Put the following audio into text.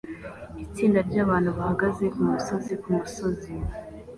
Itsinda ryabantu bahagaze kumusozi kumusozi